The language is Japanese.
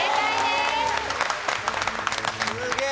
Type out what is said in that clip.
すげえ。